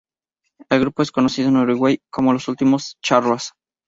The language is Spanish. El grupo es conocido en Uruguay como "los últimos charrúas".